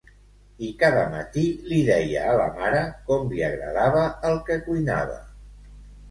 I cada matí li deia a la mare com li agradava el que cuinava.